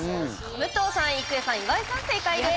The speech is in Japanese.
武藤さん郁恵さん、岩井さん、正解です。